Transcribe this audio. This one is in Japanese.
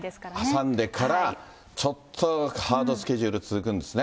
挟んでから、ちょっとハードスケジュール続くんですね。